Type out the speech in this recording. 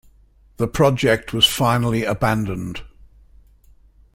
The project was finally abandoned.